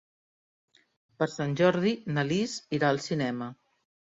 Per Sant Jordi na Lis irà al cinema.